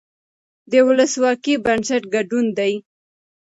د ولسواکۍ بنسټ ګډون دی